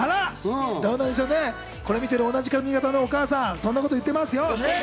これを見てる同じ髪形のお母さん、そんなこと言ってますよ。